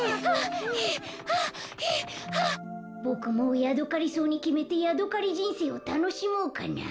ボクもうヤドカリソウにきめてヤドカリじんせいをたのしもうかな。